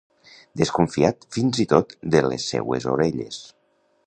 Desconfiat fins i tot de les seues orelles.